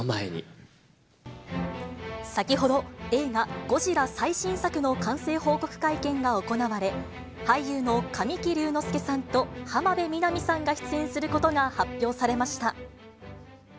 先ほど、映画、ゴジラ最新作の完成報告会見が行われ、俳優の神木隆之介さんと浜辺美波さんが出演することが発表されました。